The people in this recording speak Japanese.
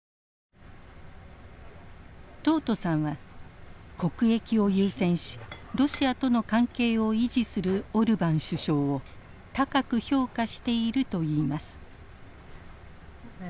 トートさんは国益を優先しロシアとの関係を維持するオルバン首相を高く評価していると言います。